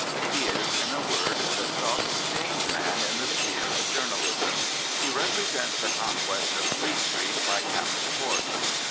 He is, in ,a word, the Stock Exchange man in the sphere of journalism. He represents the conquest of Fleet Street by Capel Court.